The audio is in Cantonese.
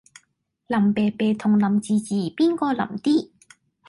腍啤啤同腍滋滋邊個腍啲？